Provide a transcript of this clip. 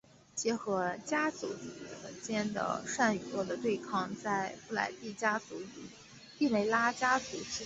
结合家族间的善与恶的对抗在布莱帝家族与帝梅拉家族之间。